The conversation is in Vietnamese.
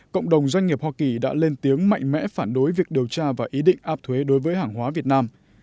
cộng đồng doanh nghiệp hoa kỳ đã lên tiếng mạnh mẽ phản đối việc điều tra và ý định áp thuế đối với hàng hóa việt nam